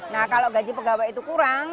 nah kalau gaji pegawai itu kurang